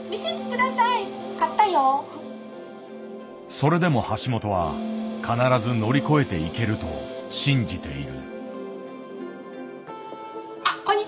それでも橋本は必ず乗り越えていけると信じている。